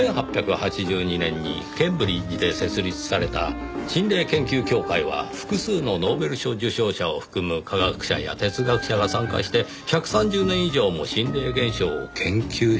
１８８２年にケンブリッジで設立された心霊研究協会は複数のノーベル賞受賞者を含む科学者や哲学者が参加して１３０年以上も心霊現象を研究しているのですから。